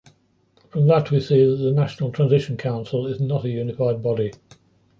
From that we see that the National Transitional Council is not a unified body.